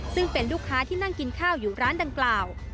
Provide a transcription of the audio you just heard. ซึ่งเป็นลูกค้าที่นั่งกินข้าวอยู่ร้านดังกล่าว